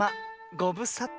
ごぶさた。